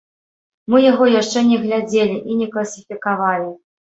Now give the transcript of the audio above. Мы яго яшчэ не глядзелі і не класіфікавалі.